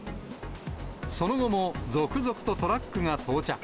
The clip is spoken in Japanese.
その後も続々とトラックが到着。